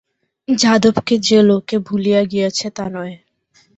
যাদবকে যে লোকে ভুলিয়া গিয়াছে তা নয়।